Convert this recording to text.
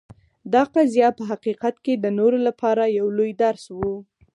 دا قضیه په حقیقت کې د نورو لپاره یو لوی درس و.